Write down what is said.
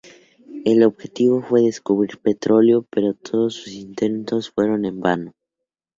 El objetivo fue descubrir petróleo pero todos sus intentos fueron en vano.